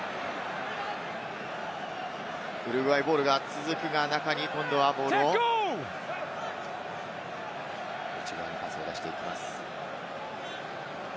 ウルグアイボールが続くが中に、今度はボールを、こちらにパスを出していきます。